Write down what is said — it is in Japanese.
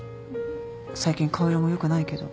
最近顔色もよくないけど。